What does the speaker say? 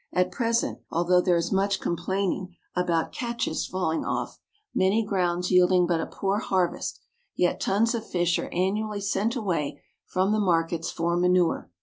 At present, although there is much complaining about catches falling off, many grounds yielding but a poor harvest, yet tons of fish are annually sent away from the markets for manure.